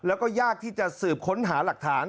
แล้วก็ยากที่จะสืบค้นหาหลักฐาน